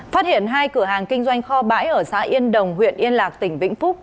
phát hiện hai cửa hàng kinh doanh kho bãi ở xã yên đồng huyện yên lạc tỉnh vĩnh phúc